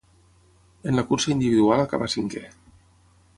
En la cursa individual acabà cinquè.